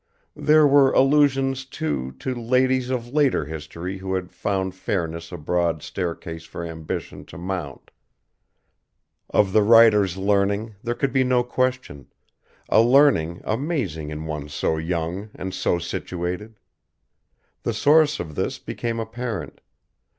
There were allusions, too, to ladies of later history who had found fairness a broad staircase for ambition to mount. Of the writer's learning, there could be no question; a learning amazing in one so young and so situated. The source of this became apparent.